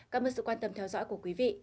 cảm ơn sự quan tâm theo dõi của quý vị